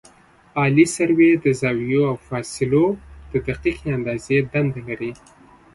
عالي سروې د زاویو او فاصلو د دقیقې اندازې دنده لري